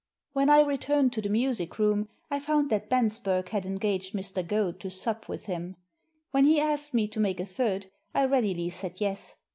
When I returned to the music room I found that Bensberg had engaged Mr. Goad to sup with him. When he asked me to make a third I readily said yes.